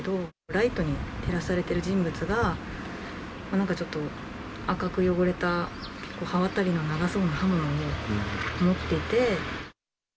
ライトに照らされている人物が、なんかちょっと、赤く汚れた、刃渡りの長そうなものを持っていて。